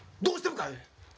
どうしてもかい？